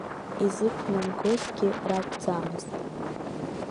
Изықәнамгозгьы ракәӡамызт.